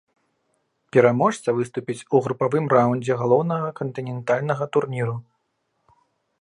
Пераможца выступіць у групавым раўндзе галоўнага кантынентальнага турніру.